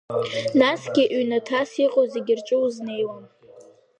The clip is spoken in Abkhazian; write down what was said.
Насгьы ҩнаҭас иҟоу зегьы рҿы узнеиуам…